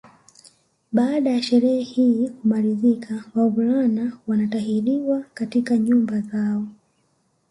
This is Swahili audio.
Baada ya sherehe hii kumalizika wavulana wanatahiriwa katika nyumba zao